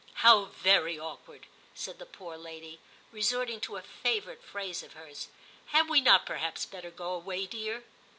* How very awkward,' said the poor lady, resorting to a favourite phrase of hers. * Had we not perhaps better go away, dear